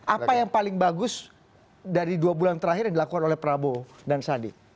apa yang paling bagus dari dua bulan terakhir yang dilakukan oleh prabowo dan sandi